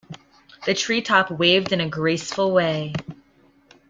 The tree top waved in a graceful way.